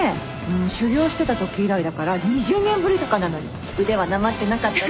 ん修行してたとき以来だから２０年ぶりとかなのに腕はなまってなかったわ。